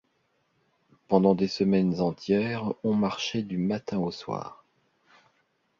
Pendant des semaines entières, on marchait du matin au soir.